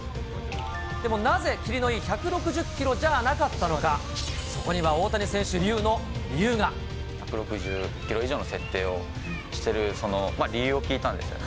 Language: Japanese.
でもなぜ、切りのいい１６０キロじゃなかったのか、そこには大谷選手流の理１６０キロ以上の設定をしてる、その理由を聞いたんですよね。